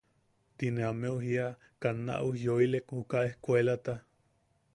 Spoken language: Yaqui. Ti ne ameu jiia –Kaa na ujyooilek juka ejkuelata.